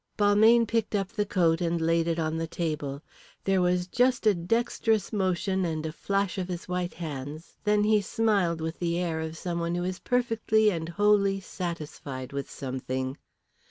Balmayne picked up the coat and laid it on the table. There was just a dexterous motion and a flash of his white hands, then he smiled with the air of one who is perfectly and wholly satisfied with something.